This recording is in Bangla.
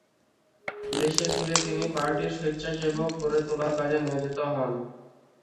দেশে ফিরে তিনি পার্টির স্বেচ্ছাসেবক গড়ে তোলার কাজে নিয়োজিত হন।